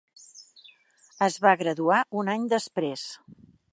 Es va graduar un any després.